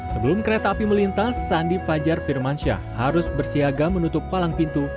sebelum kereta api melintas sandi fajar firmansyah harus bersiaga menutup palang pintu